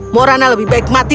morana lebih baik mati